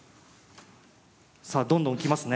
さあどんどん来ますね。